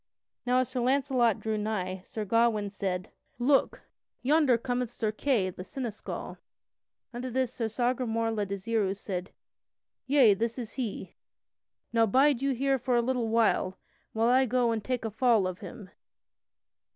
Now as Sir Launcelot drew nigh Sir Gawain said: "Look, yonder cometh Sir Kay the Seneschal." Unto this Sir Sagramore le Desirous said: "Yea, this is he; now bide you here for a little while, and I will go and take a fall of him."